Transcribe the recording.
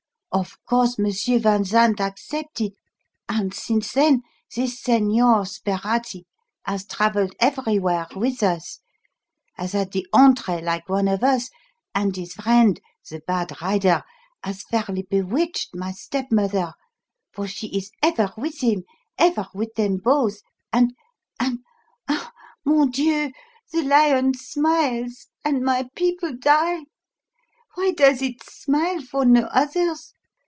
Of course, M. van Zant accepted; and since then this Señor Sperati has travelled everywhere with us, has had the entrée like one of us, and his friend, the bad rider, has fairly bewitched my stepmother, for she is ever with him, ever with them both, and and Ah, mon Dieu! the lion smiles, and my people die! Why does it 'smile' for no others?